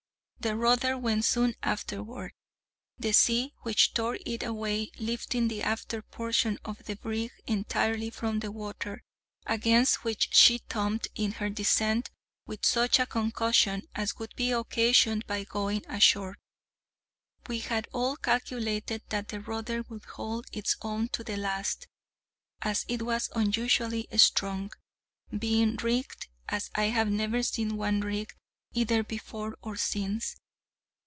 The rudder went soon afterward, the sea which tore it away lifting the after portion of the brig entirely from the water, against which she thumped in her descent with such a concussion as would be occasioned by going ashore. We had all calculated that the rudder would hold its own to the last, as it was unusually strong, being rigged as I have never seen one rigged either before or since.